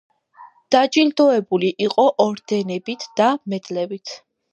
დაჯილდოებული იყო ორდენებით და მედლებით.